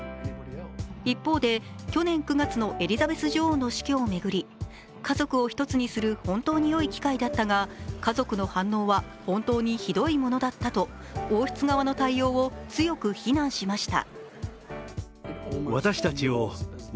一方で、去年９月のエリザベス女王の死去を巡り、家族を一つにする本当にいい機会だったが家族の反応は本当にひどいものだったと王室側の対応を強く非難しました。